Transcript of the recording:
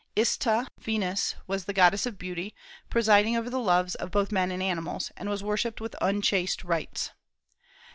Ista (Venus) was the goddess of beauty, presiding over the loves of both men and animals, and was worshipped with unchaste rites.